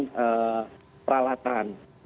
kita memiliki keterbatasan peralatan